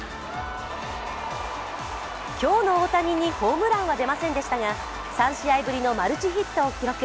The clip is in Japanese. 今日の大谷にホームランは出ませんでしたが、３試合ぶりのマルチヒットを記録。